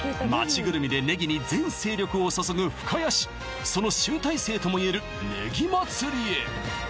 ぐるみでねぎに全精力を注ぐ深谷市その集大成ともいえるねぎまつりへ！